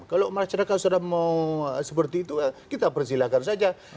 kalau masyarakat sudah mau seperti itu kita persilahkan saja